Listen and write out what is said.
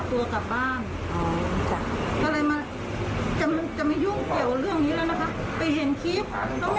ก็เลยมาจะไม่จะไม่ยุ่งเกี่ยวเรื่องนี้แล้วนะคะไปเห็นคลิป